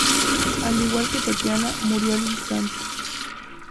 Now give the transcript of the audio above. Al igual que Tatiana, murió al instante.